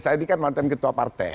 saya ini kan mantan ketua partai